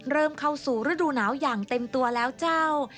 เข้าสู่ฤดูหนาวอย่างเต็มตัวแล้วเจ้า